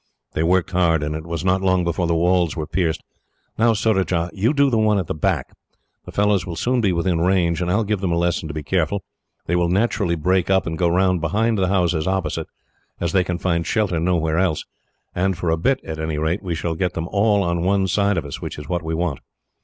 They worked hard, and it was not long before the walls were pierced. "Now, Surajah, you do the one at the back. The fellows will soon be within range, and I will give them a lesson to be careful. They will naturally break up, and go round behind the houses opposite, as they can find shelter nowhere else; and, for a bit at any rate, we shall get them all on one side of us, which is what we want."